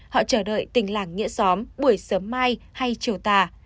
họ chờ đợi tình làng nghĩa xóm buổi sớm mai hay chiều tà